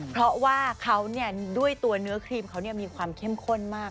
เพราะว่าเขาด้วยตัวเนื้อครีมเขามีความเข้มข้นมาก